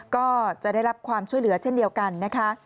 ก็จะได้รับความช่วยเหลือเช่นเดียวกันนะคะ